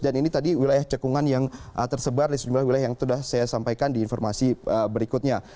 dan ini tadi wilayah cekungan yang tersebar di sejumlah wilayah yang sudah saya sampaikan di informasi berikutnya